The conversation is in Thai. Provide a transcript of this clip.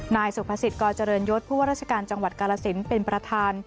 นายสุภสิทธิ์กเจริญยศผู้ว่าราชการจังหวัดกาลสินเป็นประธาน